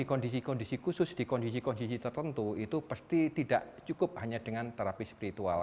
kondisi kondisi khusus di kondisi kondisi tertentu itu pasti tidak cukup hanya dengan terapi spiritual